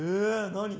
何？